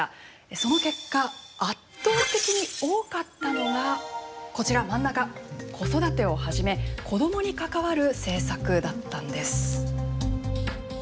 その結果圧倒的に多かったのがこちら真ん中子育てをはじめ子どもに関わる政策だったんです。